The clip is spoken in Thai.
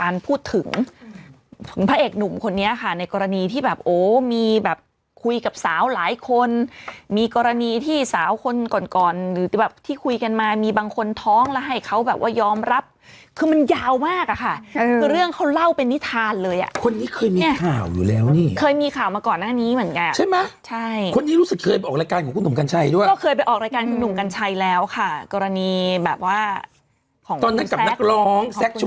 หรือแบบที่คุยกันมามีบางคนท้องแล้วให้เขาแบบว่ายอมรับคือมันยาวมากอ่ะค่ะคือเรื่องเขาเล่าเป็นนิทานเลยอ่ะคนนี้เคยมีข่าวอยู่แล้วนี่เคยมีข่าวมาก่อนหน้านี้เหมือนกันใช่ไหมใช่คนนี้รู้สึกเคยไปออกรายการของคุณหนุ่มกันชัยด้วยก็เคยไปออกรายการของหนุ่มกันชัยแล้วค่ะกรณีแบบว่าของตอนนั้นกับนักร้องแซคช